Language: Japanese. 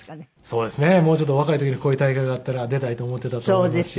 そうですねもうちょっと若い時にこういう大会があったら出たいと思っていたと思いますし。